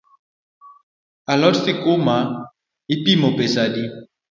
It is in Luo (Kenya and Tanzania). A lot sikuma ipimo pesa adi?